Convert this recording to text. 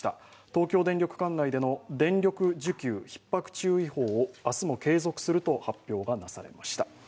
東京電力管内での電力需給ひっ迫注意報を明日も継続すると発表が出されました。